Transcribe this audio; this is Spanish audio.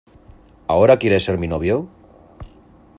¿ ahora quieres ser mi novio?